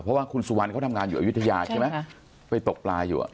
เพราะว่าคุณสุวรรณเขาทำงานอยู่อายุทยาใช่ไหม